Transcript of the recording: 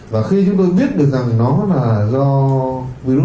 và khi chúng tôi biết được rằng nó là do virus